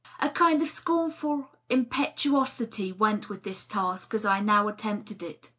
A kind of scornful impetu osity went with this task as I now attempted it.